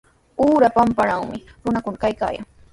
Ura pampatrawmi runakuna kaykaayan.